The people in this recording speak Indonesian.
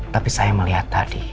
tapi saya melihat tadi